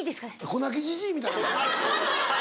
子泣きじじいみたい。